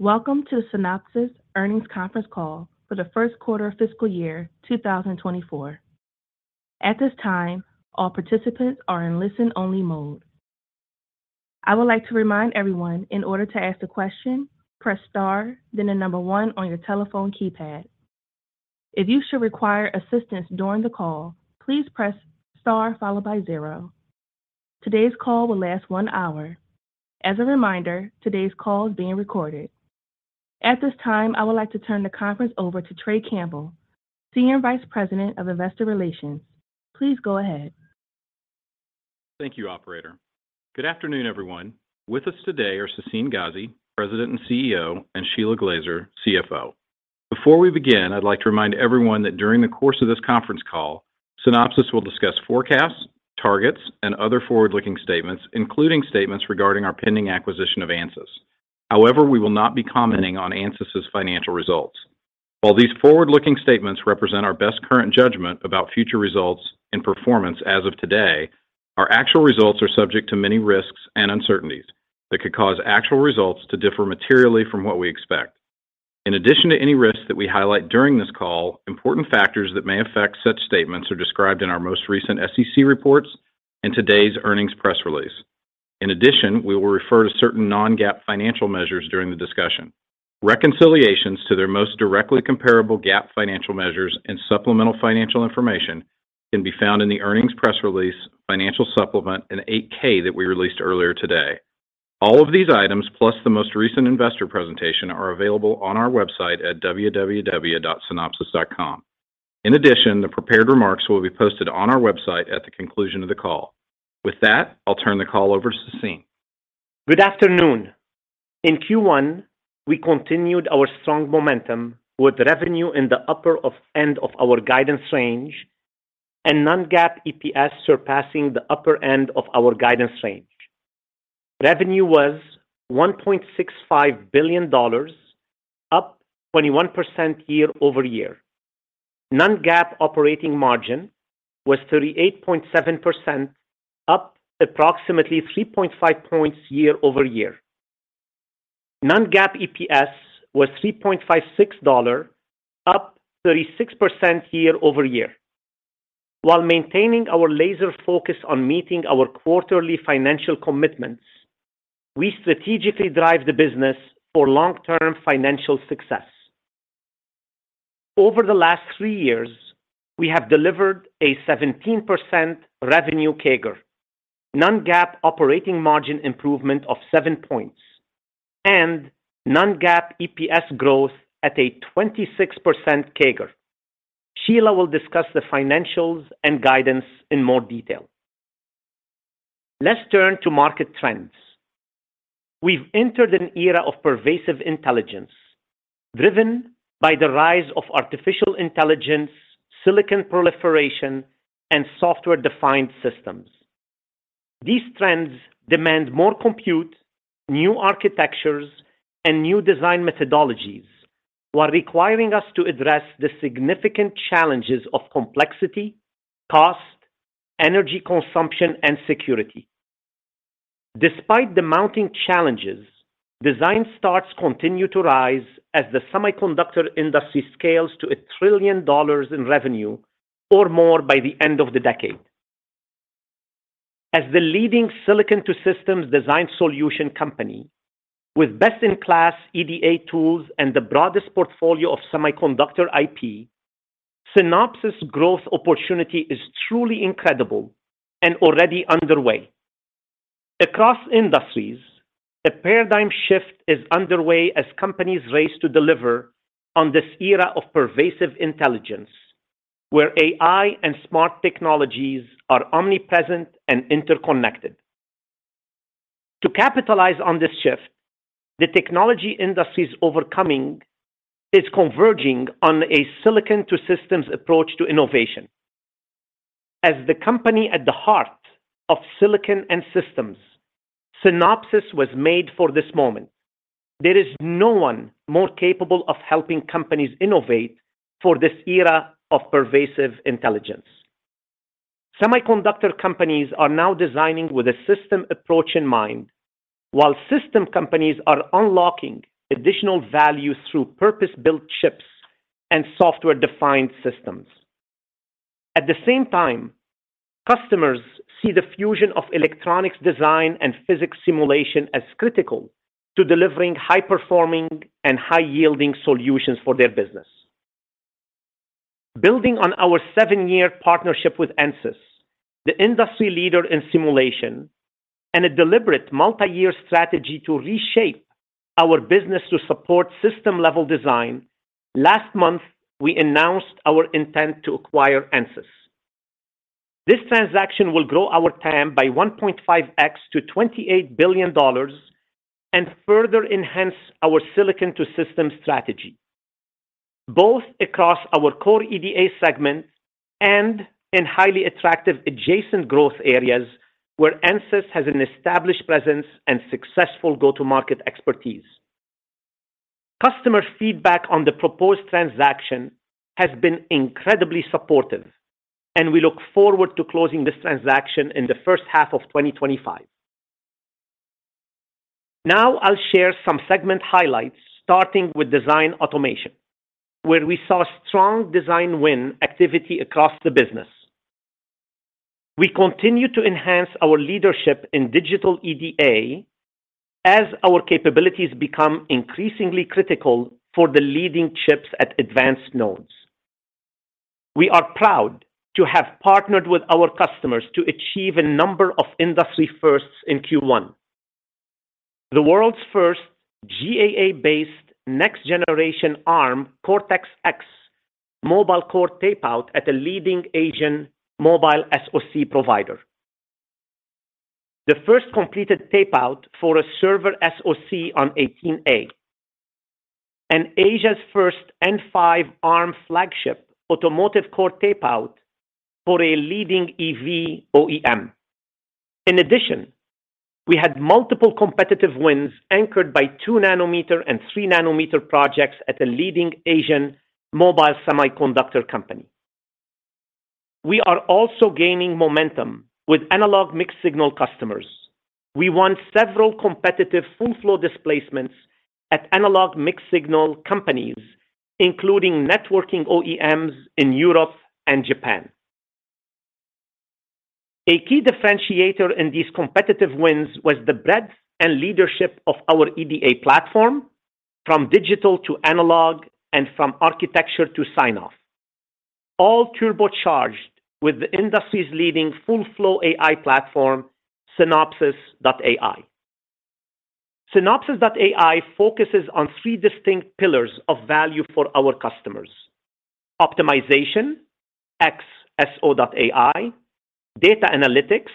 Welcome to Synopsys Earnings Conference Call for the first quarter of fiscal year 2024. At this time, all participants are in listen-only mode. I would like to remind everyone, in order to ask a question, press *, then the number 1 on your telephone keypad. If you should require assistance during the call, please press * followed by 0. Today's call will last 1 hour. As a reminder, today's call is being recorded. At this time, I would like to turn the conference over to Trey Campbell, Senior Vice President of Investor Relations. Please go ahead. Thank you, operator. Good afternoon, everyone. With us today are Sassine Ghazi, President and CEO, and Shelagh Glaser, CFO. Before we begin, I'd like to remind everyone that during the course of this conference call, Synopsys will discuss forecasts, targets, and other forward-looking statements, including statements regarding our pending acquisition of Ansys. However, we will not be commenting on Ansys's financial results. While these forward-looking statements represent our best current judgment about future results and performance as of today, our actual results are subject to many risks and uncertainties that could cause actual results to differ materially from what we expect. In addition to any risks that we highlight during this call, important factors that may affect such statements are described in our most recent SEC reports and today's earnings press release. In addition, we will refer to certain non-GAAP financial measures during the discussion. Reconciliations to their most directly comparable GAAP financial measures and supplemental financial information can be found in the earnings press release, financial supplement, and 8-K that we released earlier today. All of these items, plus the most recent investor presentation, are available on our website at www.synopsys.com. In addition, the prepared remarks will be posted on our website at the conclusion of the call. With that, I'll turn the call over to Sassine. Good afternoon. In Q1, we continued our strong momentum with revenue in the upper of end of our guidance range and non-GAAP EPS surpassing the upper end of our guidance range. Revenue was $1.65 billion, up 21% year-over-year. Non-GAAP operating margin was 38.7%, up approximately 3.5 points year-over-year. Non-GAAP EPS was $3.56, up 36% year-over-year. While maintaining our laser focus on meeting our quarterly financial commitments, we strategically drive the business for long-term financial success. Over the last three years, we have delivered a 17% revenue CAGR, non-GAAP operating margin improvement of 7 points, and non-GAAP EPS growth at a 26% CAGR. Shelagh will discuss the financials and guidance in more detail. Let's turn to market trends. We've entered an era of pervasive intelligence, driven by the rise of artificial intelligence, silicon proliferation, and software-defined systems. These trends demand more compute, new architectures, and new design methodologies, while requiring us to address the significant challenges of complexity, cost, energy consumption, and security. Despite the mounting challenges, design starts continue to rise as the semiconductor industry scales to $1 trillion in revenue or more by the end of the decade. As the leading silicon-to-systems design solution company with best-in-class EDA tools and the broadest portfolio of semiconductor IP, Synopsys growth opportunity is truly incredible and already underway. Across industries, a paradigm shift is underway as companies race to deliver on this era of pervasive intelligence, where AI and smart technologies are omnipresent and interconnected. To capitalize on this shift, the technology industry's overcoming is converging on a silicon-to-systems approach to innovation. As the company at the heart of silicon and systems, Synopsys was made for this moment. There is no one more capable of helping companies innovate for this era of pervasive intelligence. Semiconductor companies are now designing with a system approach in mind, while system companies are unlocking additional value through purpose-built chips and software-defined systems. At the same time, customers see the fusion of electronics design and physics simulation as critical to delivering high-performing and high-yielding solutions for their business. Building on our seven-year partnership with Ansys, the industry leader in simulation and a deliberate multi-year strategy to reshape our business to support system-level design, last month, we announced our intent to acquire Ansys. This transaction will grow our TAM by 1.5x to $28 billion and further enhance our silicon to system strategy, both across our core EDA segment and in highly attractive adjacent growth areas where Ansys has an established presence and successful go-to-market expertise. Customer feedback on the proposed transaction has been incredibly supportive... and we look forward to closing this transaction in the first half of 2025. Now, I'll share some segment highlights, starting with design automation, where we saw strong design win activity across the business. We continue to enhance our leadership in digital EDA as our capabilities become increasingly critical for the leading chips at advanced nodes. We are proud to have partnered with our customers to achieve a number of industry firsts in Q1. The world's first GAA-based next generation Arm Cortex-X mobile core tape out at a leading Asian mobile SoC provider. The first completed tape out for a server SoC on 18A, and Asia's first N5 Arm flagship automotive core tape out for a leading EV OEM. In addition, we had multiple competitive wins anchored by 2 nanometer and 3 nanometer projects at a leading Asian mobile semiconductor company. We are also gaining momentum with analog mixed-signal customers. We won several competitive full flow displacements at analog mixed-signal companies, including networking OEMs in Europe and Japan. A key differentiator in these competitive wins was the breadth and leadership of our EDA platform, from digital to analog and from architecture to sign-off. All turbocharged with the industry's leading full flow AI platform, Synopsys.ai. Synopsys.ai focuses on three distinct pillars of value for our customers: optimization, xSO.ai; data analytics,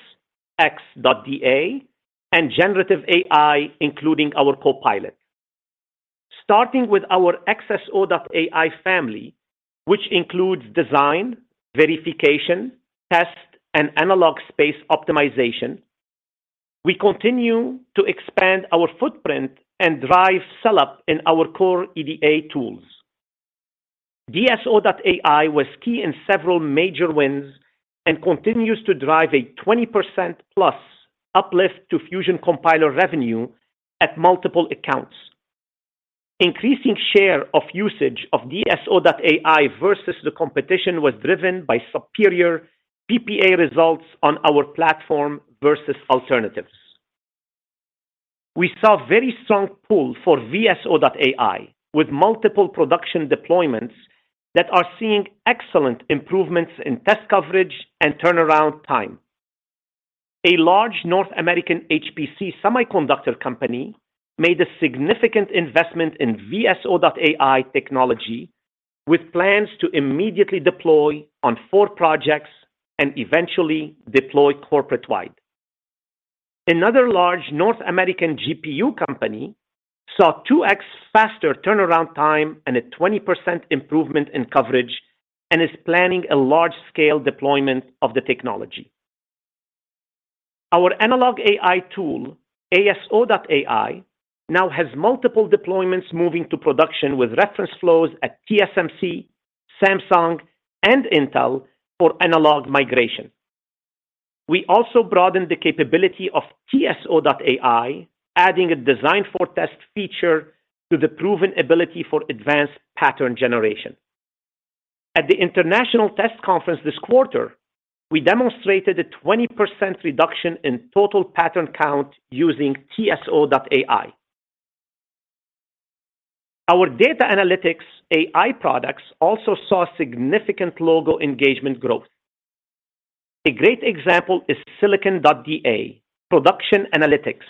x.DA; and generative AI, including our copilot. Starting with our xSO.ai family, which includes design, verification, test, and analog space optimization, we continue to expand our footprint and drive sell-up in our core EDA tools. DSO.ai was key in several major wins and continues to drive a 20%+ uplift to Fusion Compiler revenue at multiple accounts. Increasing share of usage of DSO.ai versus the competition was driven by superior PPA results on our platform versus alternatives. We saw very strong pull for VSO.ai, with multiple production deployments that are seeing excellent improvements in test coverage and turnaround time. A large North American HPC semiconductor company made a significant investment in VSO.ai technology, with plans to immediately deploy on four projects and eventually deploy corporate-wide. Another large North American GPU company saw 2x faster turnaround time and a 20% improvement in coverage, and is planning a large-scale deployment of the technology. Our analog AI tool, ASO.ai, now has multiple deployments moving to production with reference flows at TSMC, Samsung, and Intel for analog migration. We also broadened the capability of TSO.ai, adding a design for test feature to the proven ability for advanced pattern generation. At the International Test Conference this quarter, we demonstrated a 20% reduction in total pattern count using TSO.ai. Our data analytics AI products also saw significant logo engagement growth. A great example is Silicon.DA, production analytics,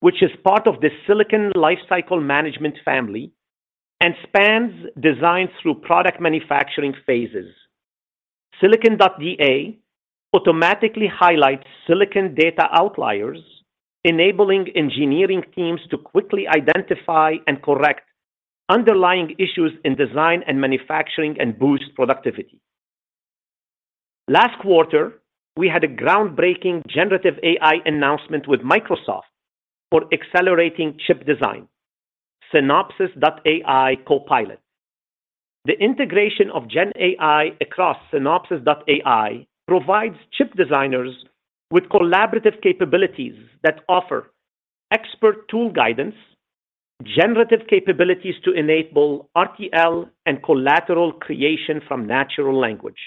which is part of the silicon lifecycle management family and spans design through product manufacturing phases. Silicon.DA automatically highlights silicon data outliers, enabling engineering teams to quickly identify and correct underlying issues in design and manufacturing, and boost productivity. Last quarter, we had a groundbreaking generative AI announcement with Microsoft for accelerating chip design, Synopsys.ai Copilot. The integration of Gen AI across Synopsys.ai provides chip designers with collaborative capabilities that offer expert tool guidance, generative capabilities to enable RTL and collateral creation from natural language.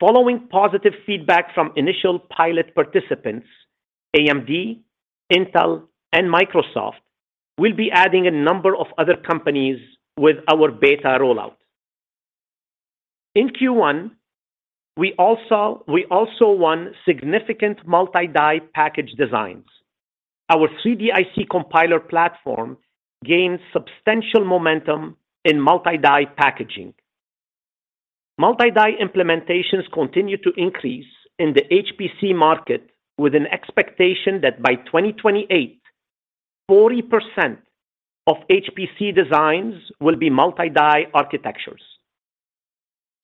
Following positive feedback from initial pilot participants, AMD, Intel, and Microsoft will be adding a number of other companies with our beta rollout. In Q1, we also won significant multi-die package designs. Our 3D IC Compiler platform gained substantial momentum in multi-die packaging. Multi-die implementations continue to increase in the HPC market, with an expectation that by 2028, 40% of HPC designs will be multi-die architectures.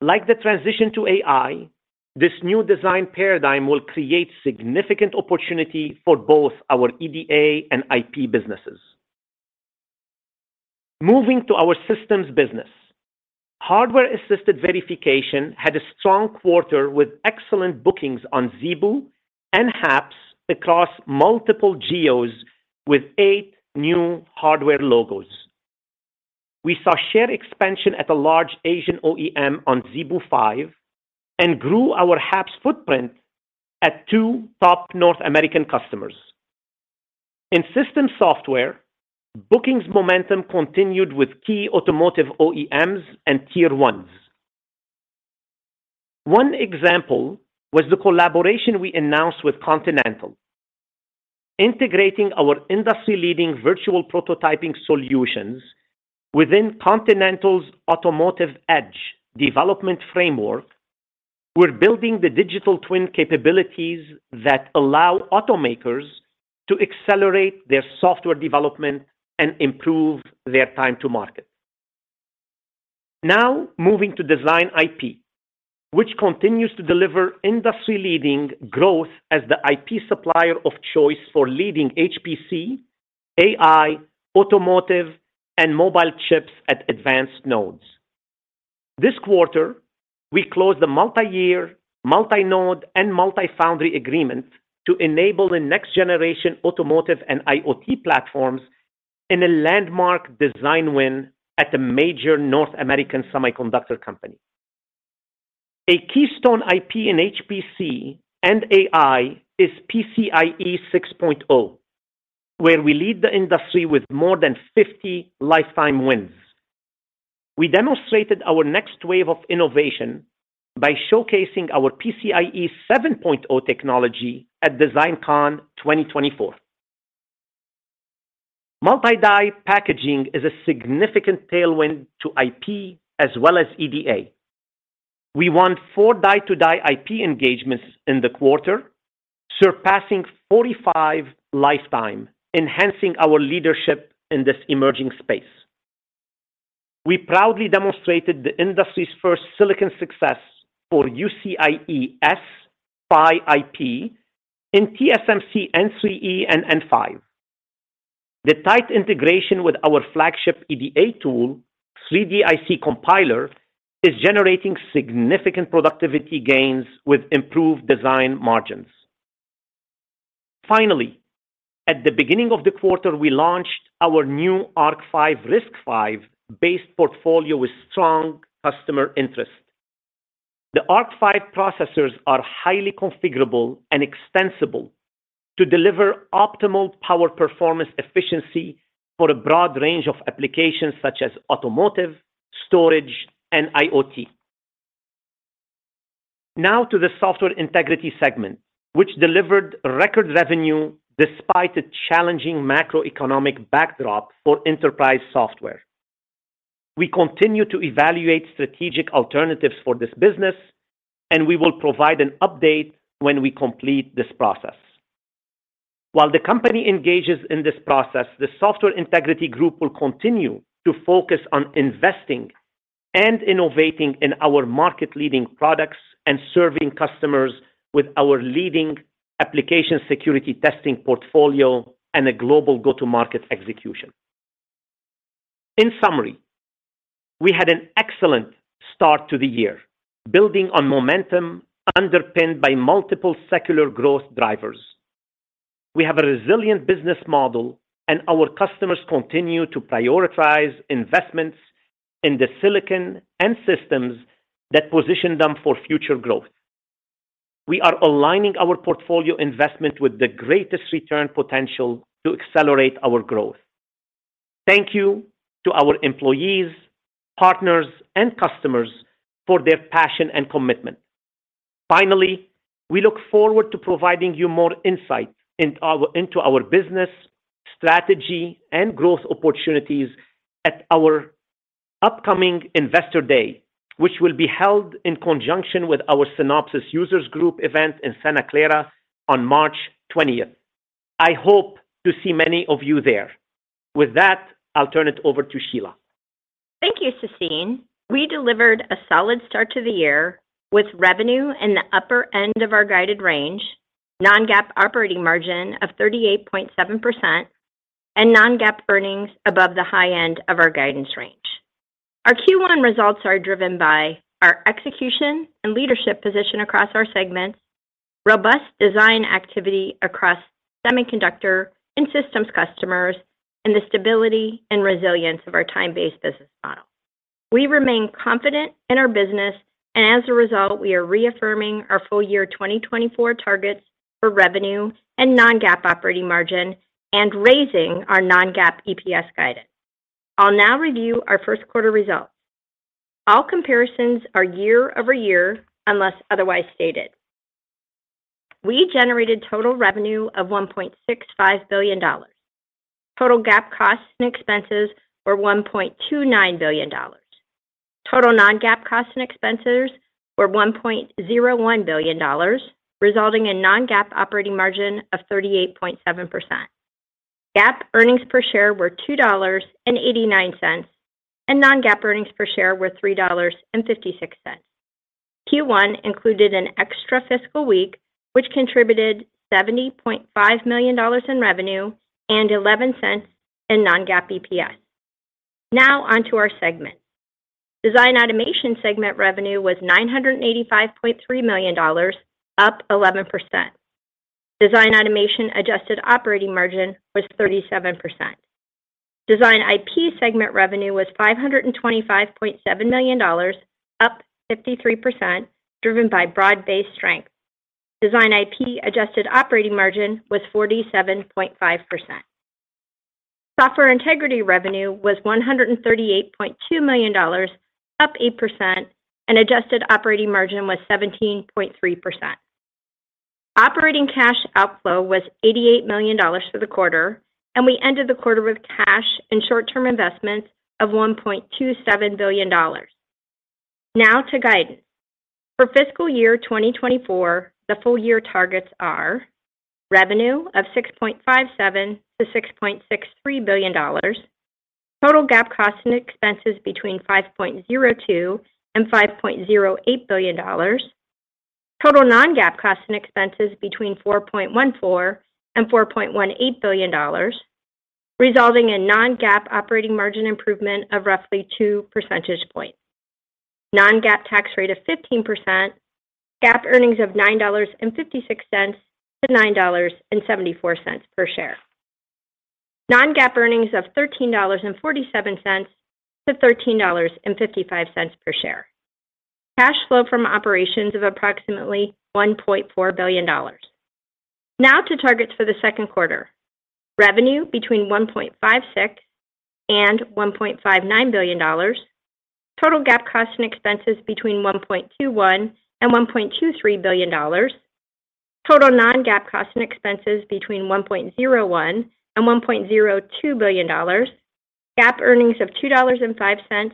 Like the transition to AI, this new design paradigm will create significant opportunity for both our EDA and IP businesses. Moving to our systems business. Hardware-assisted verification had a strong quarter, with excellent bookings on ZeBu and HAPS across multiple geos with eight new hardware logos. We saw share expansion at a large Asian OEM on ZeBu 5 and grew our HAPS footprint at two top North American customers. In system software, bookings momentum continued with key automotive OEMs and tier ones. One example was the collaboration we announced with Continental. Integrating our industry-leading virtual prototyping solutions within Continental's Automotive Edge development framework, we're building the digital twin capabilities that allow automakers to accelerate their software development and improve their time to market. Now, moving to design IP, which continues to deliver industry-leading growth as the IP supplier of choice for leading HPC, AI, automotive, and mobile chips at advanced nodes. This quarter, we closed a multi-year, multi-node, and multi-foundry agreement to enable the next-generation automotive and IoT platforms in a landmark design win at a major North American semiconductor company. A keystone IP in HPC and AI is PCIe 6.0, where we lead the industry with more than 50 lifetime wins. We demonstrated our next wave of innovation by showcasing our PCIe 7.0 technology at DesignCon 2024. Multi-die packaging is a significant tailwind to IP as well as EDA. We won 4 die-to-die IP engagements in the quarter, surpassing 45 lifetime, enhancing our leadership in this emerging space. We proudly demonstrated the industry's first silicon success for UCIe-S PHY IP in TSMC N3E and N5. The tight integration with our flagship EDA tool, 3D IC Compiler, is generating significant productivity gains with improved design margins. Finally, at the beginning of the quarter, we launched our new ARC-V RISC-V based portfolio with strong customer interest. The ARC-V processors are highly configurable and extensible to deliver optimal power performance efficiency for a broad range of applications, such as automotive, storage, and IoT. Now to the Software Integrity segment, which delivered record revenue despite a challenging macroeconomic backdrop for enterprise software. We continue to evaluate strategic alternatives for this business, and we will provide an update when we complete this process. While the company engages in this process, the Software Integrity Group will continue to focus on investing and innovating in our market-leading products and serving customers with our leading application security testing portfolio and a global go-to-market execution. In summary, we had an excellent start to the year, building on momentum underpinned by multiple secular growth drivers. We have a resilient business model, and our customers continue to prioritize investments in the silicon and systems that position them for future growth. We are aligning our portfolio investment with the greatest return potential to accelerate our growth. Thank you to our employees, partners, and customers for their passion and commitment. Finally, we look forward to providing you more insight into our business, strategy, and growth opportunities at our upcoming Investor Day, which will be held in conjunction with our Synopsys Users Group event in Santa Clara on March twentieth. I hope to see many of you there. With that, I'll turn it over to Shelagh. Thank you, Sassine. We delivered a solid start to the year, with revenue in the upper end of our guided range, non-GAAP operating margin of 38.7%, and non-GAAP earnings above the high end of our guidance range. Our Q1 results are driven by our execution and leadership position across our segments, robust design activity across semiconductor and systems customers, and the stability and resilience of our time-based business model. We remain confident in our business, and as a result, we are reaffirming our full year 2024 targets for revenue and non-GAAP operating margin and raising our non-GAAP EPS guidance. I'll now review our first quarter results. All comparisons are year-over-year, unless otherwise stated. We generated total revenue of $1.65 billion. Total GAAP costs and expenses were $1.29 billion. Total non-GAAP costs and expenses were $1.01 billion, resulting in non-GAAP operating margin of 38.7%. GAAP earnings per share were $2.89, and non-GAAP earnings per share were $3.56.... Q1 included an extra fiscal week, which contributed $70.5 million in revenue and 11 cents in non-GAAP EPS. Now, onto our segment. Design automation segment revenue was $985.3 million, up 11%. Design automation adjusted operating margin was 37%. Design IP segment revenue was $525.7 million, up 53%, driven by broad-based strength. Design IP adjusted operating margin was 47.5%. Software integrity revenue was $138.2 million, up 8%, and adjusted operating margin was 17.3%. Operating cash outflow was $88 million for the quarter, and we ended the quarter with cash and short-term investments of $1.27 billion. Now to guidance. For fiscal year 2024, the full year targets are: revenue of $6.57 billion-$6.63 billion, total GAAP costs and expenses between $5.02 billion and $5.08 billion, total non-GAAP costs and expenses between $4.14 billion and $4.18 billion, resulting in non-GAAP operating margin improvement of roughly 2 percentage points. Non-GAAP tax rate of 15%, GAAP earnings of $9.56-$9.74 per share. Non-GAAP earnings of $13.47-$13.55 per share. Cash flow from operations of approximately $1.4 billion. Now to targets for the second quarter. Revenue between $1.56 billion and $1.59 billion, total GAAP costs and expenses between $1.21 billion and $1.23 billion, total non-GAAP costs and expenses between $1.01 billion and $1.02 billion, GAAP earnings of $2.05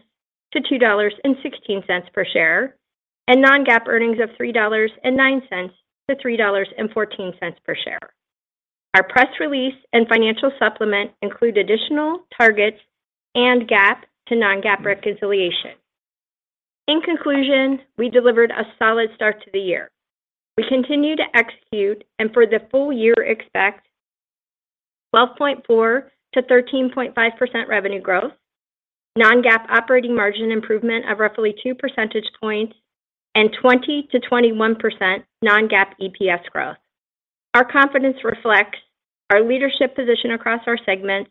to $2.16 per share, and non-GAAP earnings of $3.09 to $3.14 per share. Our press release and financial supplement include additional targets and GAAP to non-GAAP reconciliation. In conclusion, we delivered a solid start to the year. We continue to execute, and for the full year, expect 12.4%-13.5% revenue growth, non-GAAP operating margin improvement of roughly two percentage points, and 20%-21% non-GAAP EPS growth. Our confidence reflects our leadership position across our segments,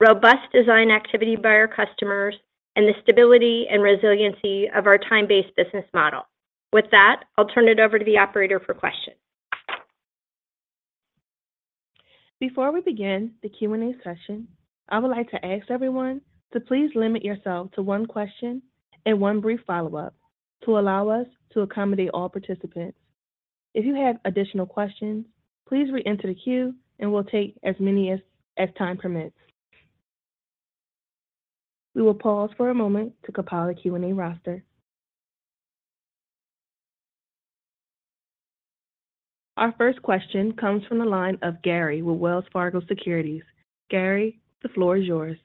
robust design activity by our customers, and the stability and resiliency of our time-based business model. With that, I'll turn it over to the operator for questions. Before we begin the Q&A session, I would like to ask everyone to please limit yourself to one question and one brief follow-up to allow us to accommodate all participants. If you have additional questions, please reenter the queue, and we'll take as many as time permits. We will pause for a moment to compile a Q&A roster. Our first question comes from the line of Gary with Wells Fargo Securities. Gary, the floor is yours.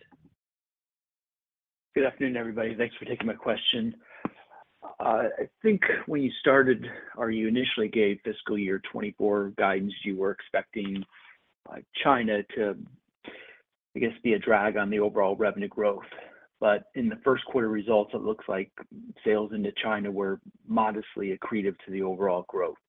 Good afternoon, everybody. Thanks for taking my question. I think when you started or you initially gave fiscal year 2024 guidance, you were expecting, China to, I guess, be a drag on the overall revenue growth. But in the first quarter results, it looks like sales into China were modestly accretive to the overall growth.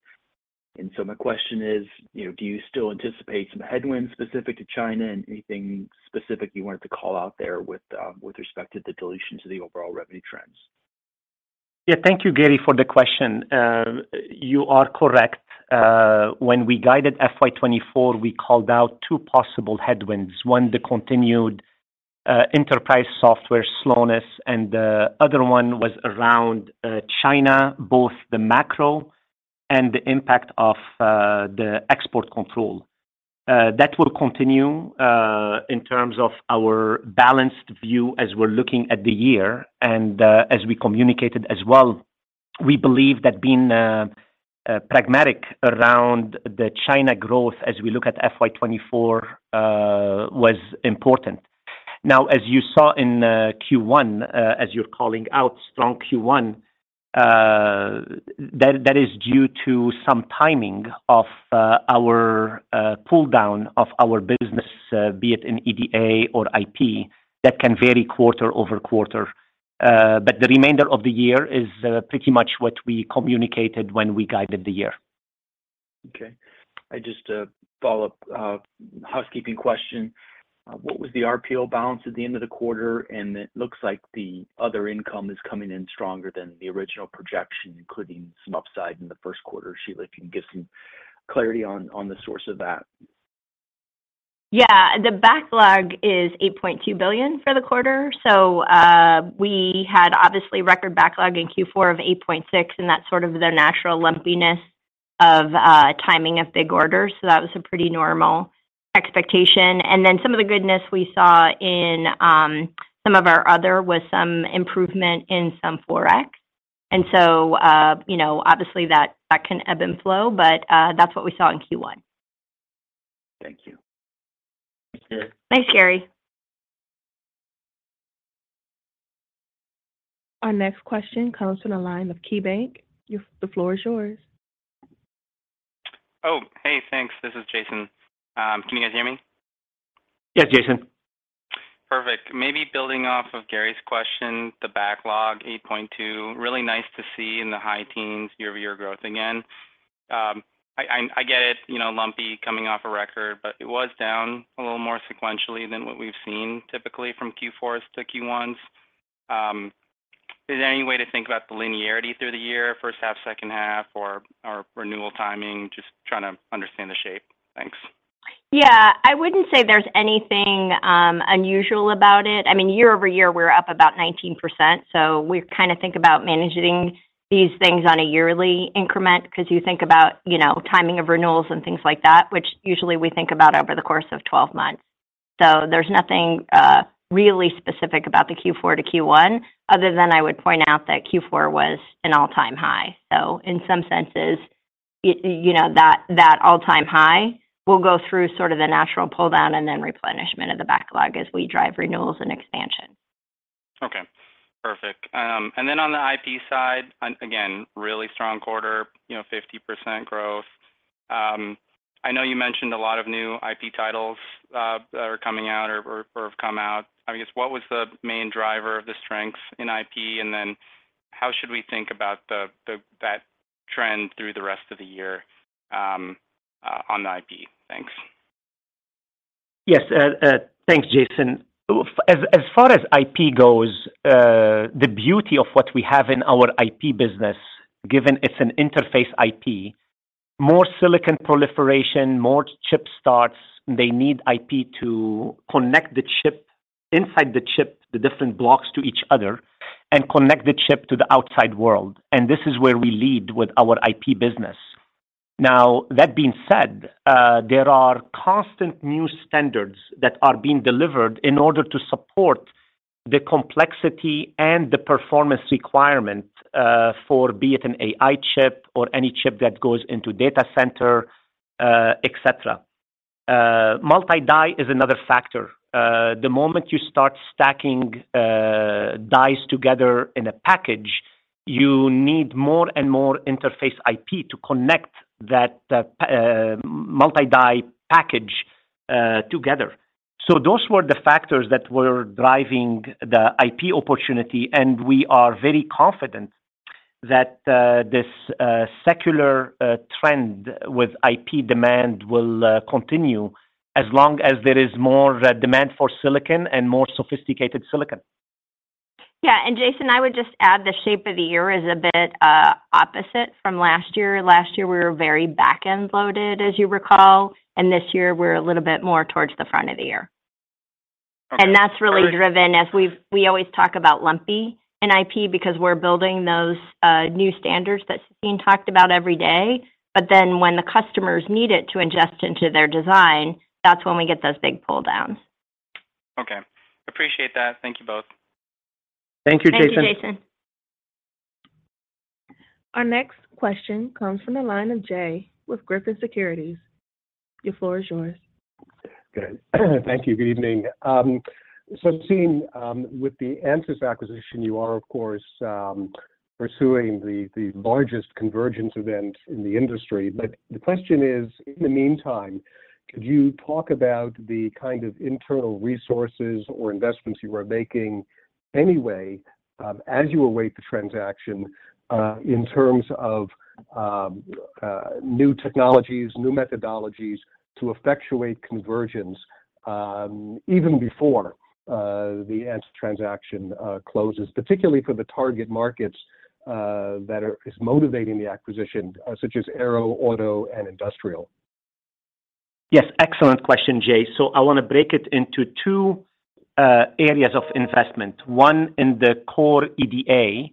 And so my question is, you know, do you still anticipate some headwinds specific to China, and anything specific you wanted to call out there with, with respect to the dilution to the overall revenue trends? Yeah. Thank you, Gary, for the question. You are correct. When we guided FY 2024, we called out two possible headwinds. One, the continued enterprise software slowness, and the other one was around China, both the macro and the impact of the export control. That will continue in terms of our balanced view as we're looking at the year and as we communicated as well. We believe that being pragmatic around the China growth as we look at FY 2024 was important. Now, as you saw in Q1, as you're calling out strong Q1, that is due to some timing of our pull down of our business, be it in EDA or IP. That can vary quarter-over-quarter, but the remainder of the year is pretty much what we communicated when we guided the year. Okay. I just follow up housekeeping question. What was the RPO balance at the end of the quarter? And it looks like the other income is coming in stronger than the original projection, including some upside in the first quarter. Shelagh, if you can give some clarity on the source of that. Yeah. The backlog is $8.2 billion for the quarter. So, we had obviously record backlog in Q4 of $8.6 billion, and that's sort of the natural lumpiness of timing of big orders, so that was a pretty normal expectation. And then some of the goodness we saw in, some of our other was some improvement in some Forex. And so, you know, obviously, that, that can ebb and flow, but, that's what we saw in Q1. Thank you. Thanks, Gary. Thanks, Gary. Our next question comes from the line of KeyBanc. The floor is yours. Oh, hey, thanks. This is Jason. Can you guys hear me? Yes, Jason. Perfect. Maybe building off of Gary's question, the backlog, $8.2, really nice to see in the high teens% year-over-year growth again. I get it, you know, lumpy coming off a record, but it was down a little more sequentially than what we've seen typically from Q4s to Q1s. Is there any way to think about the linearity through the year, first half, second half, or renewal timing? Just trying to understand the shape. Thanks. Yeah. I wouldn't say there's anything unusual about it. I mean, year over year, we're up about 19%, so we kind of think about managing these things on a yearly increment because you think about, you know, timing of renewals and things like that, which usually we think about over the course of 12 months. So there's nothing really specific about the Q4 to Q1, other than I would point out that Q4 was an all-time high. So in some senses, it, you know, that, that all-time high will go through sort of the natural pull down and then replenishment of the backlog as we drive renewals and expansion. Okay, perfect. And then on the IP side, again, really strong quarter, you know, 50% growth. I know you mentioned a lot of new IP titles that are coming out or have come out. I guess, what was the main driver of the strengths in IP? And then how should we think about that trend through the rest of the year on the IP? Thanks. Yes. Thanks, Jason. As far as IP goes, the beauty of what we have in our IP business, given it's an interface IP, more silicon proliferation, more chip starts, they need IP to connect the chip inside the chip, the different blocks to each other, and connect the chip to the outside world, and this is where we lead with our IP business. Now, that being said, there are constant new standards that are being delivered in order to support the complexity and the performance requirement, for be it an AI chip or any chip that goes into data center, et cetera. Multi-die is another factor. The moment you start stacking dies together in a package, you need more and more interface IP to connect that multi-die package together. So those were the factors that were driving the IP opportunity, and we are very confident that this secular trend with IP demand will continue as long as there is more demand for silicon and more sophisticated silicon. Yeah, and Jason, I would just add the shape of the year is a bit opposite from last year. Last year, we were very back-end loaded, as you recall, and this year we're a little bit more towards the front of the year. Okay. That's really driven as we always talk about lumpy in IP because we're building those new standards that Sassine talked about every day, but then when the customers need it to ingest into their design, that's when we get those big pull downs. Okay. Appreciate that. Thank you both. Thank you, Jason. Thank you, Jason. Our next question comes from the line of Jay with Griffin Securities. The floor is yours. Good. Thank you. Good evening. So Sassine, with the Ansys acquisition, you are, of course, pursuing the largest convergence event in the industry. But the question is, in the meantime, could you talk about the kind of internal resources or investments you are making anyway, as you await the transaction, in terms of new technologies, new methodologies to effectuate convergence, even before the Ansys transaction closes, particularly for the target markets that are is motivating the acquisition, such as aero, auto, and industrial? Yes, excellent question, Jay. So I want to break it into two areas of investment. One, in the core EDA,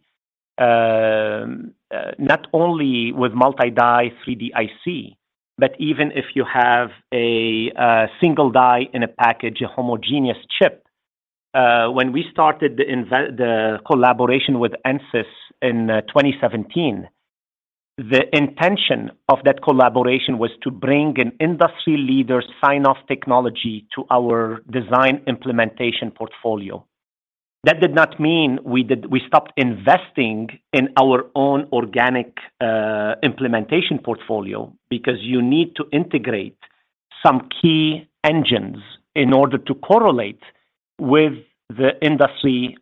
not only with multi-die 3D IC, but even if you have a single die in a package, a homogeneous chip. When we started the collaboration with Ansys in 2017, the intention of that collaboration was to bring an industry leader sign-off technology to our design implementation portfolio. That did not mean we stopped investing in our own organic implementation portfolio because you need to integrate some key engines in order to correlate with the industry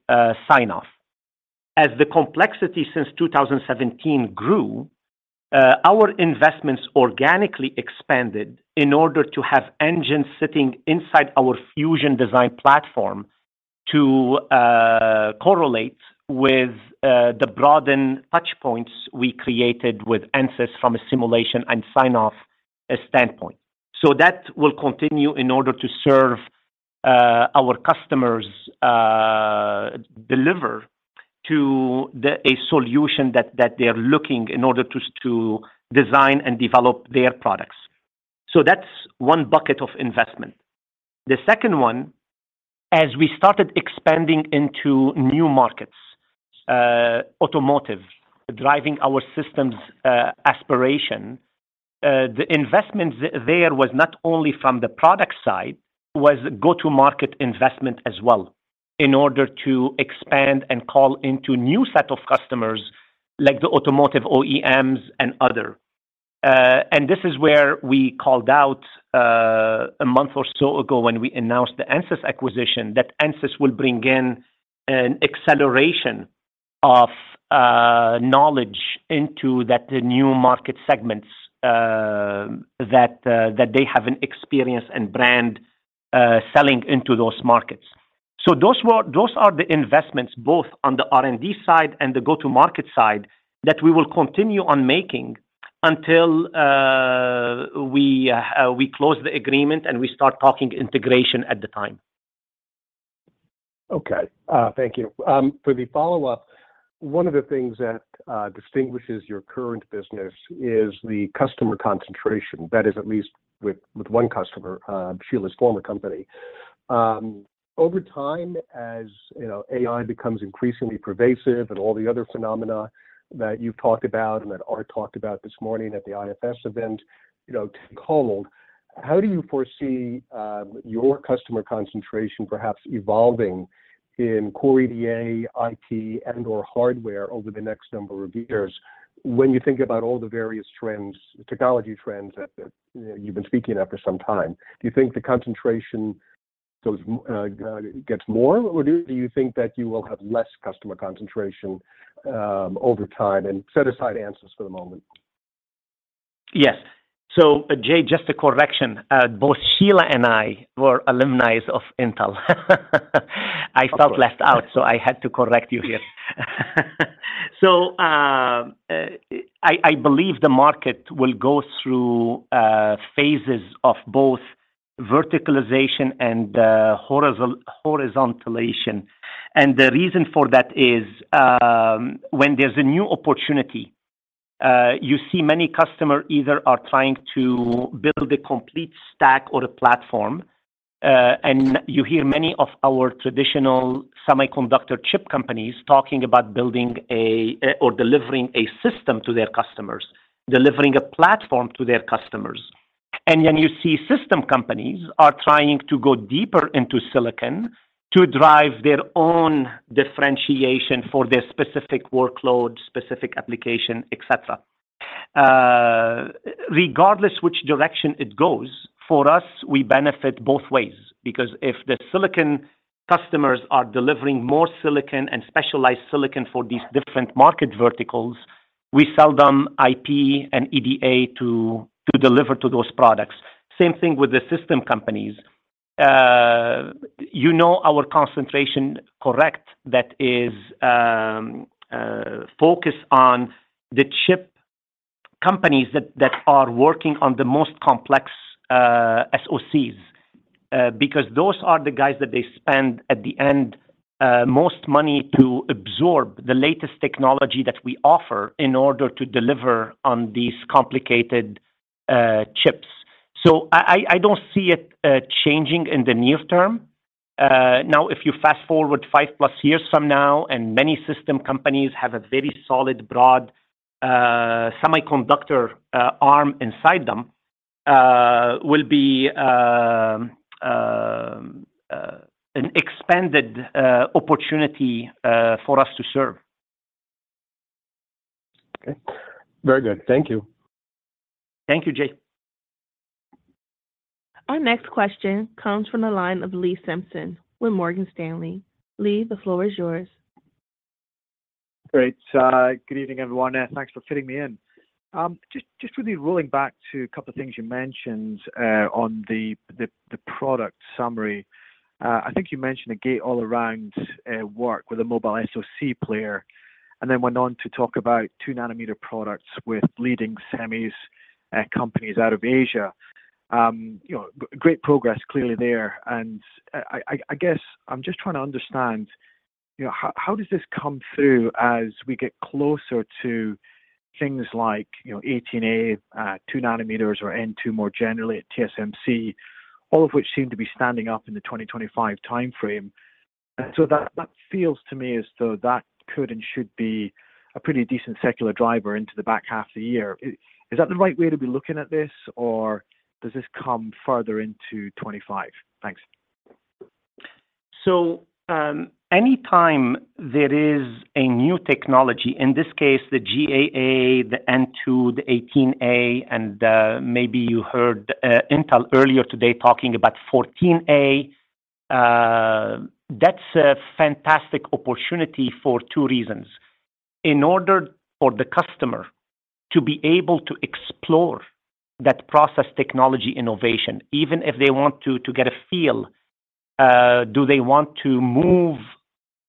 sign-off. As the complexity since 2017 grew, our investments organically expanded in order to have engines sitting inside our Fusion Design Platform to correlate with the broadened touchpoints we created with Ansys from a simulation and sign-off standpoint. So that will continue in order to serve our customers, deliver them a solution that they are looking in order to design and develop their products. So that's one bucket of investment. The second one, as we started expanding into new markets, automotive, driving our systems, the investment there was not only from the product side, was go-to-market investment as well, in order to expand and call into new set of customers like the automotive OEMs and other. And this is where we called out, a month or so ago when we announced the Ansys acquisition, that Ansys will bring in an acceleration of, knowledge into that new market segments, that they have an experience and brand, selling into those markets. So those were, those are the investments, both on the R&D side and the go-to-market side, that we will continue on making until we close the agreement and we start talking integration at the time. Okay, thank you. For the follow-up, one of the things that distinguishes your current business is the customer concentration. That is, at least with one customer, Shelagh's former company. Over time, as you know, AI becomes increasingly pervasive and all the other phenomena that you've talked about and that are talked about this morning at the IFS event, you know, take hold, how do you foresee your customer concentration perhaps evolving in core EDA, IT, and/or hardware over the next number of years? When you think about all the various trends, technology trends that you've been speaking after some time, do you think the concentration goes, gets more, or do you think that you will have less customer concentration over time? And set aside the answers for the moment. Yes. So, Jay, just a correction. Both Shelagh and I were alumnus of Intel. I felt left out, so I had to correct you here. So, I believe the market will go through phases of both verticalization and horizontalization. And the reason for that is, when there's a new opportunity, you see many customer either are trying to build a complete stack or a platform, and you hear many of our traditional semiconductor chip companies talking about building or delivering a system to their customers, delivering a platform to their customers. And then you see system companies are trying to go deeper into silicon to drive their own differentiation for their specific workload, specific application, et cetera. Regardless which direction it goes, for us, we benefit both ways, because if the silicon customers are delivering more silicon and specialized silicon for these different market verticals, we sell them IP and EDA to deliver to those products. Same thing with the system companies. You know our concentration correct. That is, focus on the chip companies that are working on the most complex SoCs, because those are the guys that they spend at the end most money to absorb the latest technology that we offer in order to deliver on these complicated chips. So I don't see it changing in the near term. Now, if you fast-forward 5+ years from now, and many system companies have a very solid, broad semiconductor arm inside them, will be an expanded opportunity for us to serve. Okay. Very good. Thank you. Thank you, Jay. Our next question comes from the line of Lee Simpson with Morgan Stanley. Lee, the floor is yours. Great. Good evening, everyone, and thanks for fitting me in. Just really rolling back to a couple of things you mentioned on the product summary. I think you mentioned a Gate-All-Around work with a mobile SoC player, and then went on to talk about 2-nanometer products with leading semis companies out of Asia. You know, great progress clearly there. And I guess I'm just trying to understand, you know, how does this come through as we get closer to things like, you know, 18A, 2 nanometers or N2, more generally at TSMC, all of which seem to be standing up in the 2025 time frame. And so that feels to me as though that could and should be a pretty decent secular driver into the back half of the year. Is that the right way to be looking at this, or does this come further into 25? Thanks. So, anytime there is a new technology, in this case, the GAA, the N2, the 18A, and maybe you heard Intel earlier today talking about 14A, that's a fantastic opportunity for two reasons. In order for the customer to be able to explore that process technology innovation, even if they want to, to get a feel, do they want to move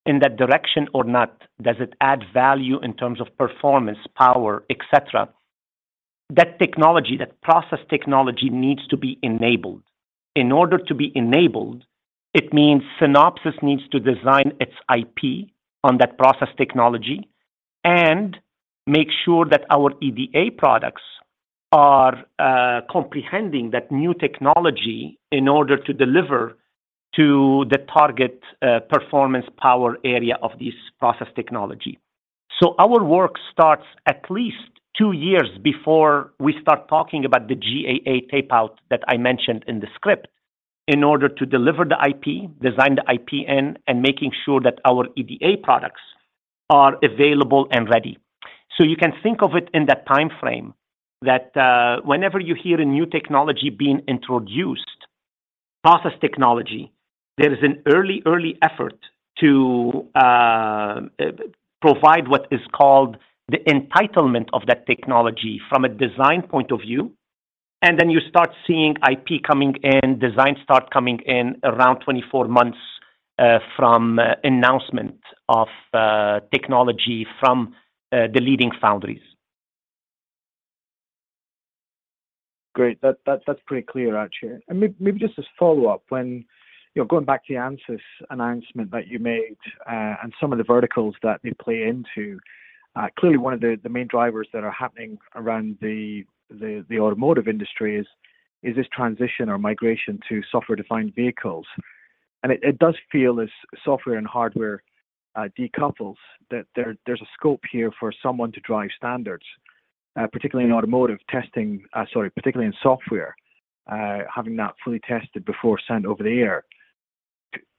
in that direction or not? Does it add value in terms of performance, power, et cetera? That technology, that process technology needs to be enabled. In order to be enabled, it means Synopsys needs to design its IP on that process technology and make sure that our EDA products are comprehending that new technology in order to deliver to the target performance power area of this process technology. So our work starts at least 2 years before we start talking about the GAA tape out that I mentioned in the script, in order to deliver the IP, design the IP in, and making sure that our EDA products are available and ready. So you can think of it in that time frame, that, whenever you hear a new technology being introduced, process technology, there is an early, early effort to, provide what is called the entitlement of that technology from a design point of view, and then you start seeing IP coming in, design start coming in around 24 months, from announcement of technology from the leading foundries. Great. That's pretty clear, actually. And maybe just as a follow-up, when you're going back to the Ansys announcement that you made, and some of the verticals that they play into, clearly one of the main drivers that are happening around the automotive industry is this transition or migration to software-defined vehicles. And it does feel as software and hardware decouples, that there's a scope here for someone to drive standards, particularly in software, having that fully tested before sent over the air.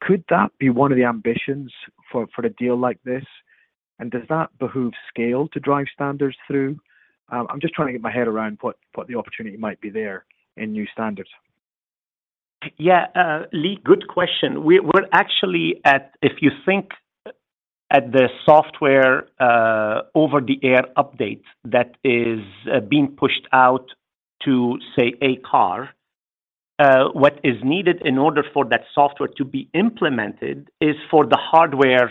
Could that be one of the ambitions for a deal like this? And does that behoove scale to drive standards through? I'm just trying to get my head around what the opportunity might be there in new standards. Yeah, Lee, good question. We're actually at. If you think at the software over the air update that is being pushed out to, say, a car, what is needed in order for that software to be implemented is for the hardware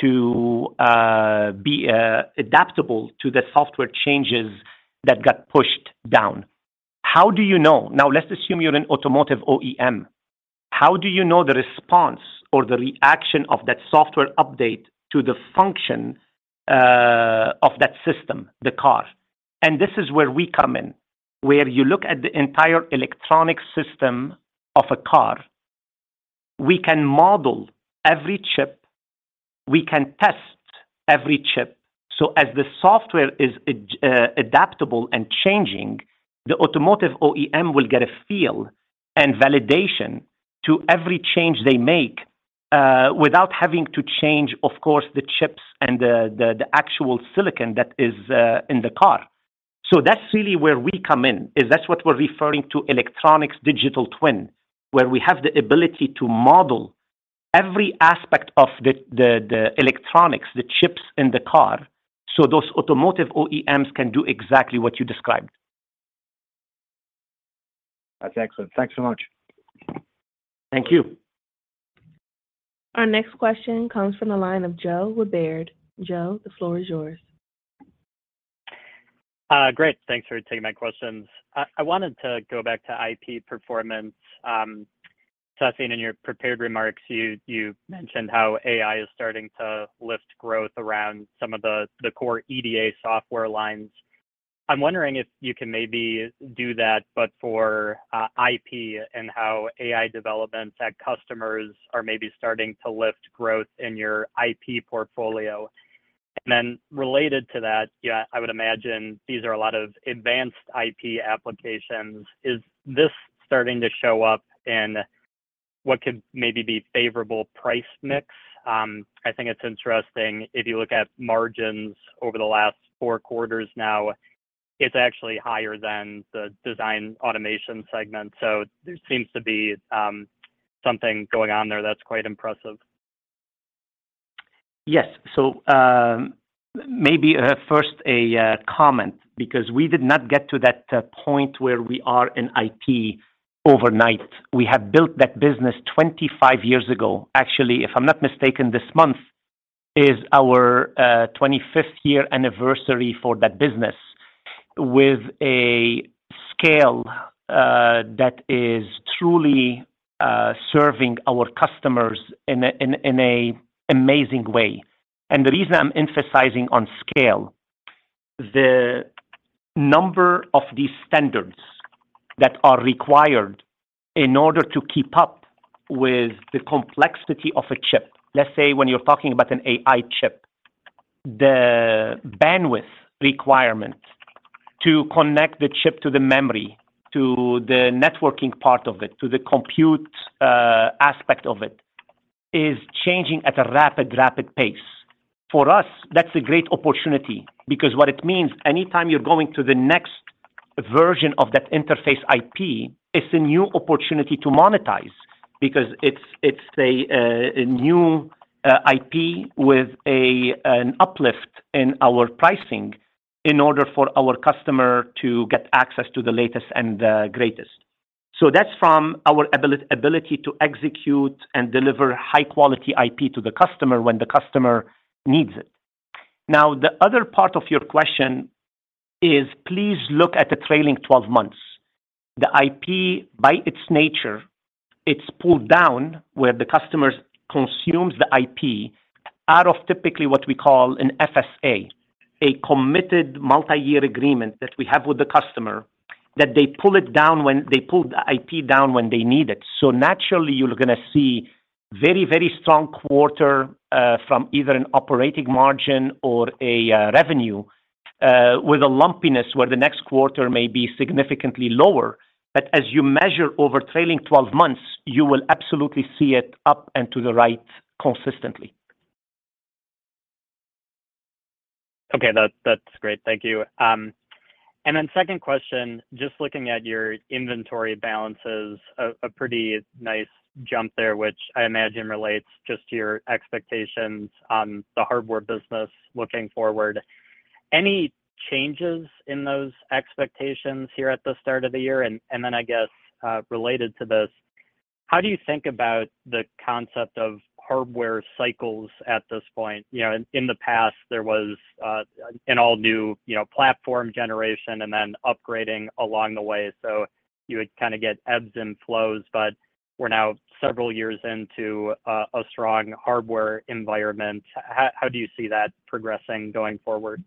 to be adaptable to the software changes that got pushed down. How do you know? Now, let's assume you're an automotive OEM. How do you know the response or the reaction of that software update to the function of that system, the car? And this is where we come in, where you look at the entire electronic system of a car. We can model every chip. We can test every chip. So as the software is adaptable and changing, the automotive OEM will get a feel and validation to every change they make without having to change, of course, the chips and the actual silicon that is in the car. So that's really where we come in, is that's what we're referring to electronics digital twin, where we have the ability to model every aspect of the electronics, the chips in the car, so those automotive OEMs can do exactly what you described. That's excellent. Thanks so much. Thank you. Our next question comes from the line of Joe Quatrochi. Joe, the floor is yours. Great. Thanks for taking my questions. I wanted to go back to IP performance. Seeing in your prepared remarks, you mentioned how AI is starting to lift growth around some of the core EDA software lines. I'm wondering if you can maybe do that, but for IP and how AI developments at customers are maybe starting to lift growth in your IP portfolio. And then related to that, yeah, I would imagine these are a lot of advanced IP applications. Is this starting to show up in what could maybe be favorable price mix? I think it's interesting, if you look at margins over the last four quarters now, it's actually higher than the design automation segment. So there seems to be something going on there that's quite impressive. Yes. So, maybe first, a comment, because we did not get to that point where we are in IP overnight. We have built that business 25 years ago. Actually, if I'm not mistaken, this month is our 25th year anniversary for that business, with a scale that is truly serving our customers in an amazing way. And the reason I'm emphasizing on scale, the number of these standards that are required in order to keep up with the complexity of a chip. Let's say when you're talking about an AI chip, the bandwidth requirement to connect the chip to the memory, to the networking part of it, to the compute aspect of it, is changing at a rapid, rapid pace. For us, that's a great opportunity because what it means, anytime you're going to the next version of that interface IP, it's a new opportunity to monetize because it's a new IP with an uplift in our pricing in order for our customer to get access to the latest and the greatest. So that's from our ability to execute and deliver high quality IP to the customer when the customer needs it. Now, the other part of your question is, please look at the trailing twelve months. The IP, by its nature, it's pulled down where the customer consumes the IP out of typically what we call an FSA, a committed multi-year agreement that we have with the customer, that they pull it down when they pull the IP down when they need it. So naturally, you're gonna see very, very strong quarter from either an operating margin or a revenue with a lumpiness where the next quarter may be significantly lower. But as you measure over trailing 12 months, you will absolutely see it up and to the right consistently. Okay, that's great. Thank you. And then second question, just looking at your inventory balances, a pretty nice jump there, which I imagine relates just to your expectations on the hardware business looking forward. Any changes in those expectations here at the start of the year? And then I guess, related to this, how do you think about the concept of hardware cycles at this point? You know, in the past, there was an all new, you know, platform generation and then upgrading along the way, so you would kinda get ebbs and flows, but we're now several years into a strong hardware environment. How do you see that progressing going forward?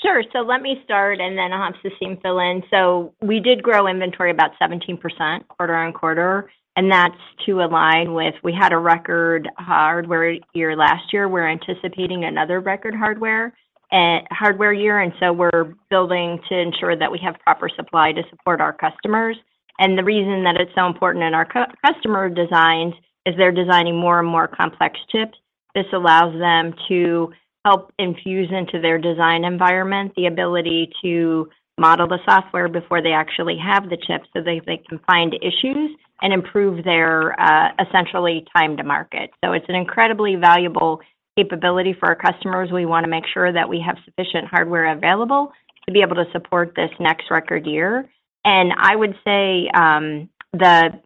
Sure. So let me start, and then I'll have Sassine fill in. So we did grow inventory about 17% quarter-over-quarter, and that's to align with. We had a record hardware year last year. We're anticipating another record hardware year, and so we're building to ensure that we have proper supply to support our customers. The reason that it's so important in our customer designs is they're designing more and more complex chips. This allows them to help infuse into their design environment the ability to model the software before they actually have the chip, so they can find issues and improve their essentially time to market. So it's an incredibly valuable capability for our customers. We wanna make sure that we have sufficient hardware available to be able to support this next record year. I would say,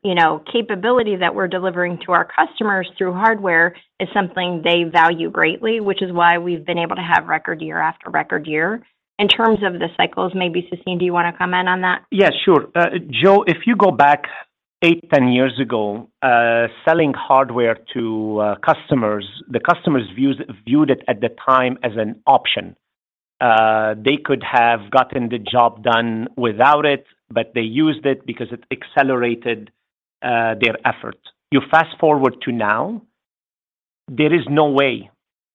you know, capability that we're delivering to our customers through hardware is something they value greatly, which is why we've been able to have record year after record year. In terms of the cycles, maybe, Sassine, do you wanna comment on that? Yeah, sure. Joe, if you go back 8, 10 years ago, selling hardware to customers, the customers viewed it at the time as an option. They could have gotten the job done without it, but they used it because it accelerated their effort. You fast forward to now, there is no way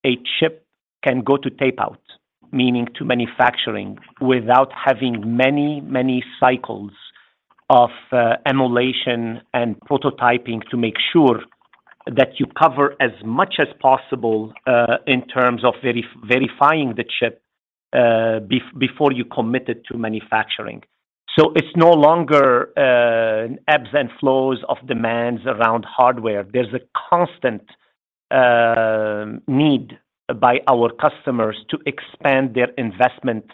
a chip can go to tape out, meaning to manufacturing, without having many, many cycles of emulation and prototyping to make sure that you cover as much as possible in terms of verifying the chip before you commit it to manufacturing. So it's no longer ebbs and flows of demands around hardware. There's a constant need by our customers to expand their investment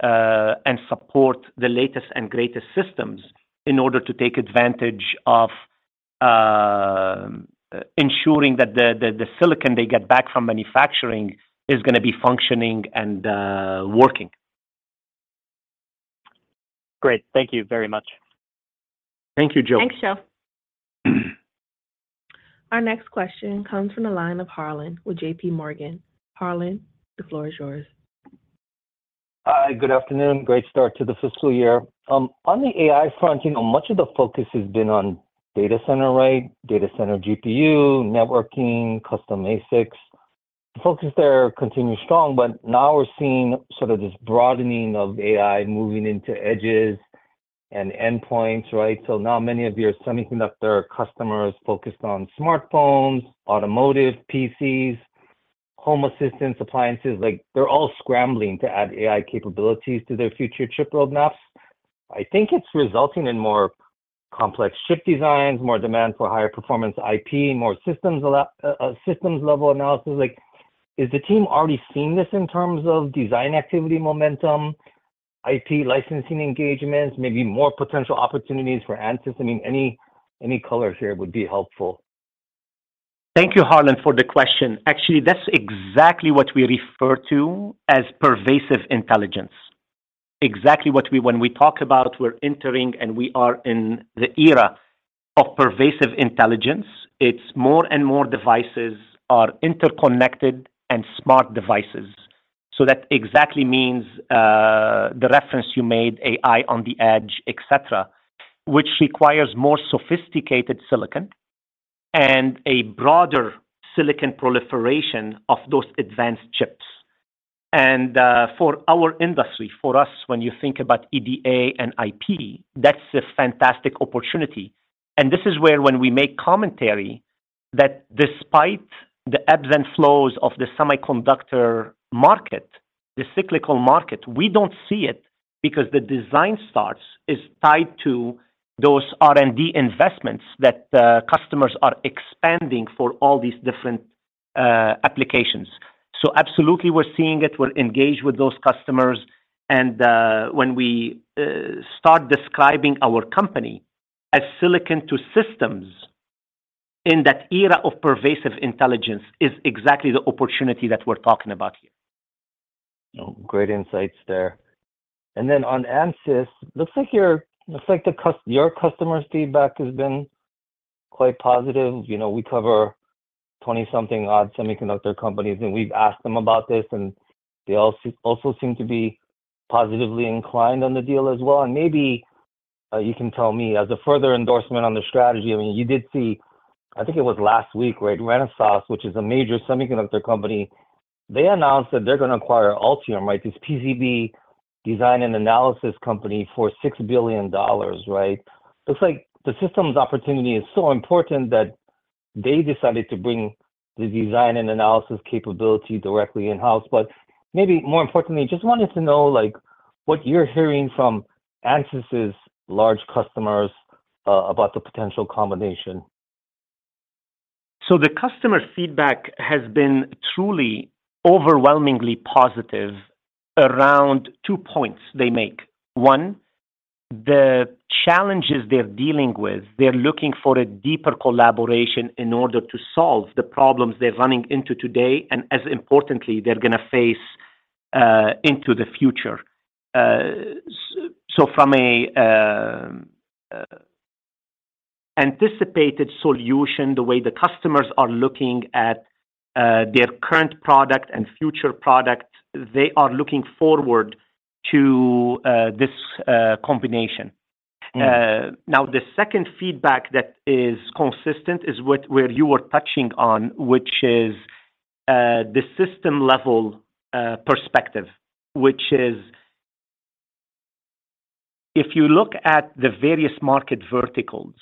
and support the latest and greatest systems in order to take advantage of ensuring that the silicon they get back from manufacturing is gonna be functioning and working. Great. Thank you very much. Thank you, Joe. Thanks, Joe. Our next question comes from the line of Harlan with JP Morgan. Harlan, the floor is yours. Hi, good afternoon. Great start to the fiscal year. On the AI fronting, much of the focus has been on data center, right? Data center GPU, networking, custom ASICs. Focus there continues strong, but now we're seeing sort of this broadening of AI moving into edges and endpoints, right? So now many of your semiconductor customers focused on smartphones, automotive, PCs, home assistance, appliances, like, they're all scrambling to add AI capabilities to their future chip roadmaps. I think it's resulting in more complex chip designs, more demand for higher performance IP, more systems-level analysis. Like, is the team already seeing this in terms of design activity, momentum, IP licensing engagements, maybe more potential opportunities for Ansys? I mean, any, any colors here would be helpful. Thank you, Harlan, for the question. Actually, that's exactly what we refer to as pervasive intelligence. When we talk about we're entering, and we are in the era of pervasive intelligence, it's more and more devices are interconnected and smart devices. So that exactly means the reference you made, AI on the edge, et cetera, which requires more sophisticated silicon and a broader silicon proliferation of those advanced chips. And for our industry, for us, when you think about EDA and IP, that's a fantastic opportunity. And this is where when we make commentary, that despite the ebbs and flows of the semiconductor market, the cyclical market, we don't see it because the design starts is tied to those R&D investments that the customers are expanding for all these different applications. So absolutely, we're seeing it. We're engaged with those customers, and when we start describing our company as silicon to systems in that era of pervasive intelligence, is exactly the opportunity that we're talking about here.... Oh, great insights there. And then on Ansys, looks like your customer's feedback has been quite positive. You know, we cover 20-something odd semiconductor companies, and we've asked them about this, and they also seem to be positively inclined on the deal as well. And maybe you can tell me, as a further endorsement on the strategy, I mean, you did see, I think it was last week, right? Renesas, which is a major semiconductor company, they announced that they're gonna acquire Altium, right, this PCB design and analysis company, for $6 billion, right? Looks like the systems opportunity is so important that they decided to bring the design and analysis capability directly in-house. But maybe more importantly, just wanted to know, like, what you're hearing from Ansys' large customers about the potential combination. So the customer feedback has been truly overwhelmingly positive around two points they make. One, the challenges they're dealing with, they're looking for a deeper collaboration in order to solve the problems they're running into today, and as importantly, they're gonna face into the future. So from a anticipated solution, the way the customers are looking at their current product and future product, they are looking forward to this combination. Mm. Now, the second feedback that is consistent is where you were touching on, which is the system level perspective, which is if you look at the various market verticals,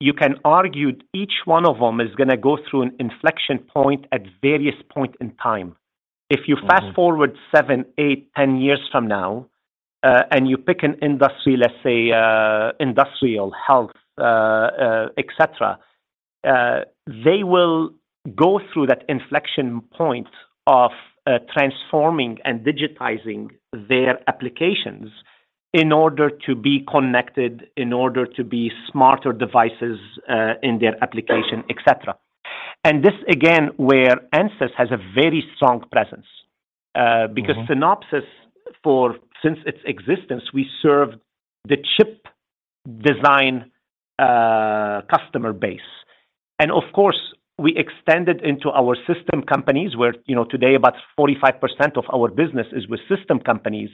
you can argue each one of them is gonna go through an inflection point at various point in time. Mm-hmm. If you fast-forward 7, 8, 10 years from now, and you pick an industry, let's say, industrial health, et cetera, they will go through that inflection point of, transforming and digitizing their applications in order to be connected, in order to be smarter devices, in their application, et cetera. And this, again, where Ansys has a very strong presence. Mm-hmm. Because Synopsys, since its existence, we served the chip design customer base. And of course, we extended into our system companies, where, you know, today, about 45% of our business is with system companies.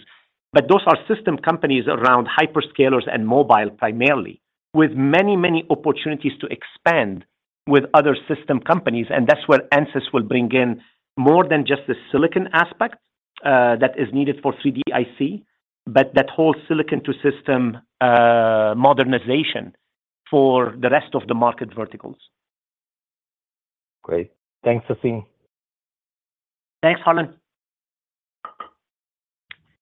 But those are system companies around hyperscalers and mobile, primarily, with many, many opportunities to expand with other system companies, and that's where Ansys will bring in more than just the silicon aspect that is needed for 3D IC, but that whole silicon to system modernization for the rest of the market verticals. Great. Thanks, Sassine. Thanks, Harlan.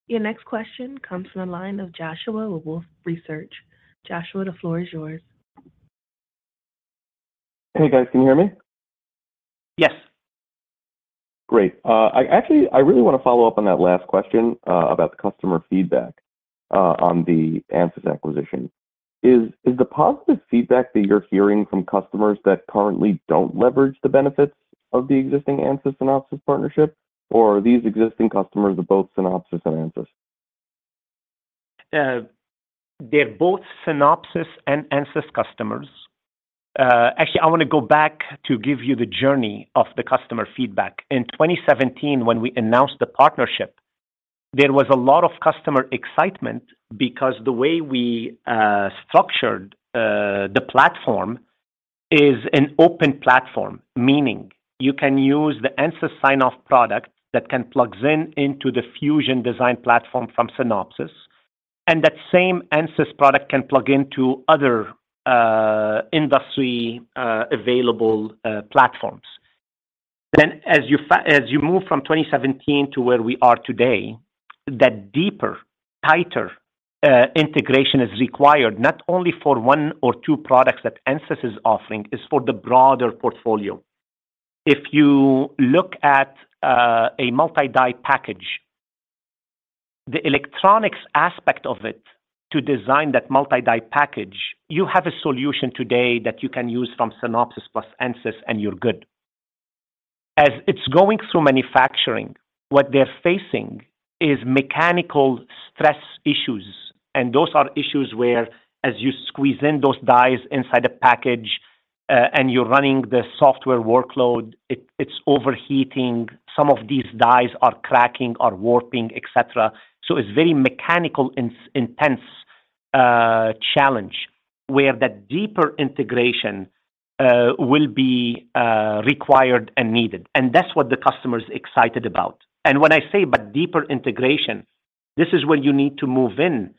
Your next question comes from the line of Joshua with Wolfe Research. Joshua, the floor is yours. Hey, guys, can you hear me? Yes. Great. I actually really want to follow up on that last question about the customer feedback on the Ansys acquisition. Is the positive feedback that you're hearing from customers that currently don't leverage the benefits of the existing Ansys-Synopsys partnership, or are these existing customers of both Synopsys and Ansys? They're both Synopsys and Ansys customers. Actually, I want to go back to give you the journey of the customer feedback. In 2017, when we announced the partnership, there was a lot of customer excitement because the way we structured the platform is an open platform, meaning you can use the Ansys sign-off product that can plug into the Fusion Design Platform from Synopsys, and that same Ansys product can plug into other industry available platforms. Then, as you move from 2017 to where we are today, that deeper, tighter integration is required, not only for one or two products that Ansys is offering, is for the broader portfolio. If you look at a multi-die package, the electronics aspect of it, to design that multi-die package, you have a solution today that you can use from Synopsys plus Ansys, and you're good. As it's going through manufacturing, what they're facing is mechanical stress issues, and those are issues where as you squeeze in those dies inside a package, and you're running the software workload, it's overheating, some of these dies are cracking or warping, et cetera. So it's very mechanical intense challenge, where that deeper integration will be required and needed. And that's what the customer is excited about. And when I say about deeper integration, this is where you need to move in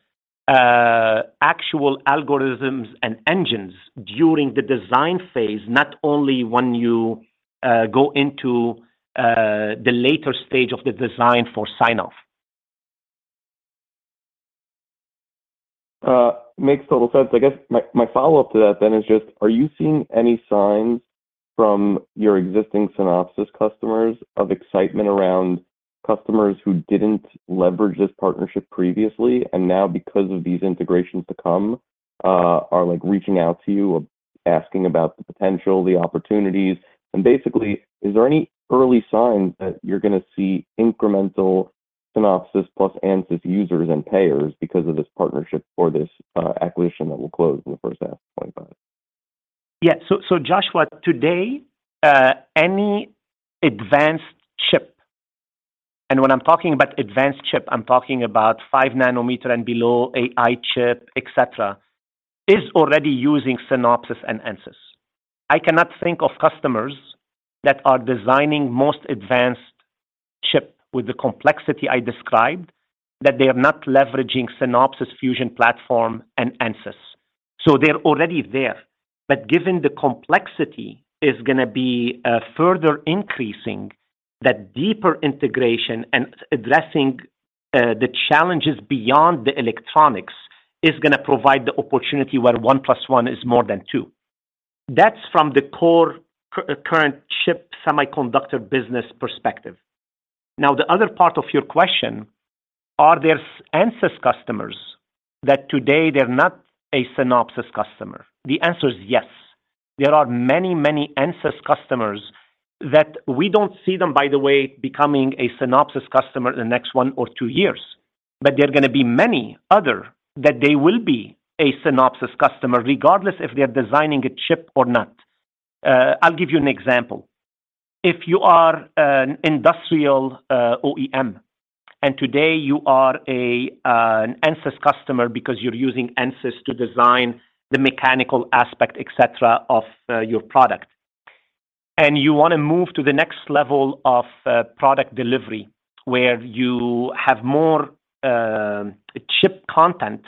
actual algorithms and engines during the design phase, not only when you go into the later stage of the design for sign-off. Makes total sense. I guess my follow-up to that then is just, are you seeing any signs from your existing Synopsys customers of excitement around customers who didn't leverage this partnership previously, and now because of these integrations to come... are like reaching out to you or asking about the potential, the opportunities? And basically, is there any early signs that you're going to see incremental Synopsys plus Ansys users and payers because of this partnership or this acquisition that will close in the first half of 2025? Yeah. So, Joshua, today, any advanced chip, and when I'm talking about advanced chip, I'm talking about 5 nanometer and below, AI chip, et cetera, is already using Synopsys and Ansys. I cannot think of customers that are designing most advanced chip with the complexity I described, that they are not leveraging Synopsys Fusion Platform and Ansys. So they're already there. But given the complexity is going to be further increasing, that deeper integration and addressing the challenges beyond the electronics, is going to provide the opportunity where one plus one is more than two. That's from the core current chip semiconductor business perspective. Now, the other part of your question, are there Ansys customers that today they're not a Synopsys customer? The answer is yes. There are many, many Ansys customers that we don't see them, by the way, becoming a Synopsys customer in the next one or two years. But there are going to be many other that they will be a Synopsys customer, regardless if they are designing a chip or not. I'll give you an example. If you are an industrial OEM, and today you are a Ansys customer because you're using Ansys to design the mechanical aspect, et cetera, of your product, and you want to move to the next level of product delivery, where you have more chip content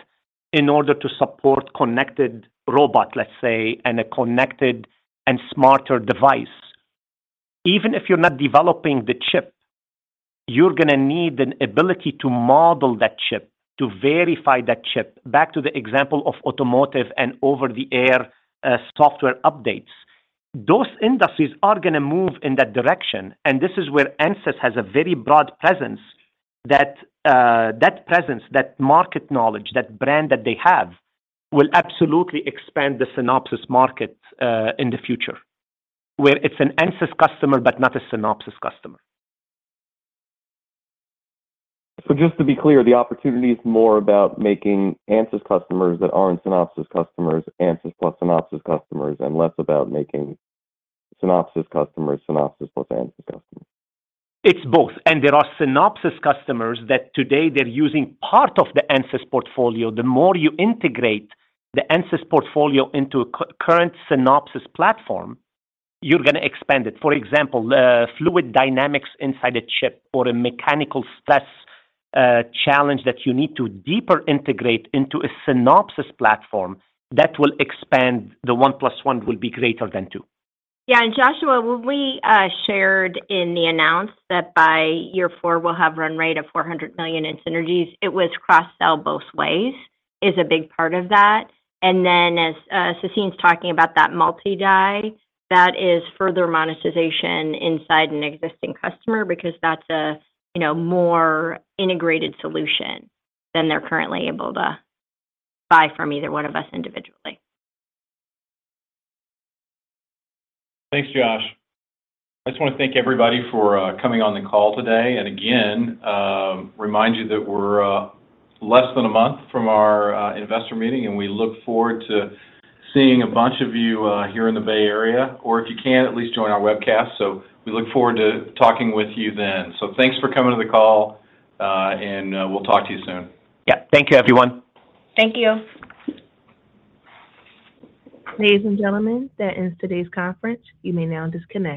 in order to support connected robot, let's say, and a connected and smarter device. Even if you're not developing the chip, you're going to need an ability to model that chip, to verify that chip. Back to the example of automotive and over-the-air software updates. Those industries are going to move in that direction, and this is where Ansys has a very broad presence that, that presence, that market knowledge, that brand that they have, will absolutely expand the Synopsys market in the future, where it's an Ansys customer, but not a Synopsys customer. So just to be clear, the opportunity is more about making Ansys customers that aren't Synopsys customers, Ansys plus Synopsys customers, and less about making Synopsys customers, Synopsys plus Ansys customers. It's both. And there are Synopsys customers that today they're using part of the Ansys portfolio. The more you integrate the Ansys portfolio into a current Synopsys platform, you're going to expand it. For example, the fluid dynamics inside a chip or a mechanical stress challenge that you need to deeper integrate into a Synopsys platform, that will expand. The one plus one will be greater than two. Yeah, and Joshua, when we shared in the announcement that by year four, we'll have run rate of $400 million in synergies, it was cross-sell both ways, is a big part of that. And then as Sassine is talking about that multi-die, that is further monetization inside an existing customer because that's a, you know, more integrated solution than they're currently able to buy from either one of us individually. Thanks, Josh. I just want to thank everybody for coming on the call today, and again, remind you that we're less than a month from our investor meeting, and we look forward to seeing a bunch of you here in the Bay Area, or if you can, at least join our webcast. We look forward to talking with you then. Thanks for coming to the call, and we'll talk to you soon. Yeah. Thank you, everyone. Thank you. Ladies and gentlemen, that ends today's conference. You may now disconnect.